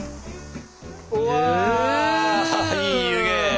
うわいい湯気！